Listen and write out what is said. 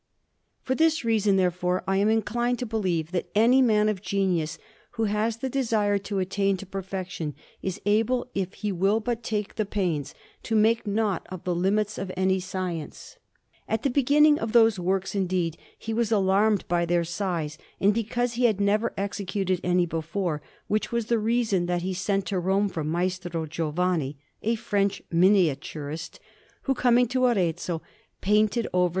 For this reason, therefore, I am inclined to believe that any man of genius who has the desire to attain to perfection, is able, if he will but take the pains, to make naught of the limits of any science. At the beginning of those works, indeed, he was alarmed by their size, and because he had never executed any before; which was the reason that he sent to Rome for Maestro Giovanni, a French miniaturist, who, coming to Arezzo, painted over S.